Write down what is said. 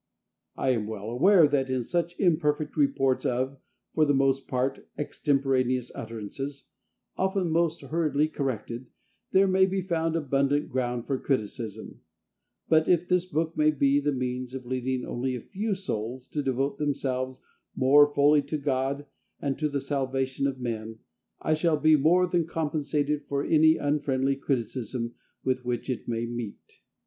I am well aware that, in such imperfect reports of, for the most part, extemporaneous utterances, often most hurriedly corrected, there may be found abundant ground for criticism; but, if this book may be the means of leading only a few souls to devote themselves more fully to God and to the salvation of men, I shall be more than compensated for any unfriendly criticism with which it may meet.